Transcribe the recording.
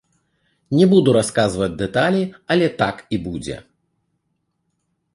Не буду расказваць дэталі, але так і будзе.